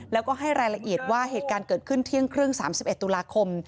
แล้วก็ให้รายละเอียดว่าเหตุการณ์เกิดขึ้นเที่ยงครึ่ง๓๑ตุลาคม